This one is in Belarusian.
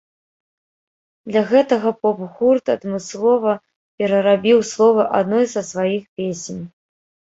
Для гэтага поп-гурт адмыслова перарабіў словы адной са сваіх песень.